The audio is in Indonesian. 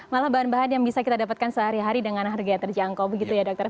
malah bahan bahan yang bisa kita dapatkan sehari hari dengan harga yang terjangkau begitu ya dokter